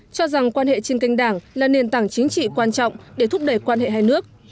cho rằng quan hệ trên kênh đảng là nền tảng chính trị quan trọng để thúc đẩy quan hệ hai nước